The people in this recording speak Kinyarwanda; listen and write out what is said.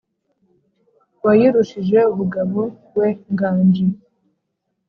wayirushije ubugabo we nganji,